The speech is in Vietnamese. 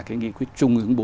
cái nghị quyết chung ứng bốn